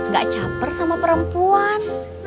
gak caper sama perempuan